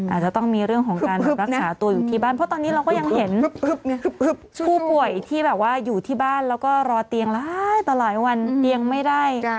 อาจจะต้องมีเรื่องของการรักษาตัวอยู่ที่บ้านเพราะตอนนี้เราก็ยังเห็นผู้ป่วยที่แบบว่าอยู่ที่บ้านแล้วก็รอเตียงหลายต่อหลายวันเตียงไม่ได้